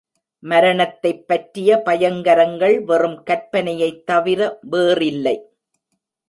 மரணத்தைப் பற்றிய பயங்கரங்கள் வெறும் கற்பனையைத் தவிர வேறில்லை.